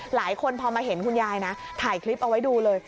หลายคนพอมาเห็นคุณยายนะถ่ายคลิปเอาไว้ดูเลย